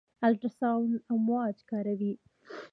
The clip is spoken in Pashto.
د الټراساونډ امواج کاروي.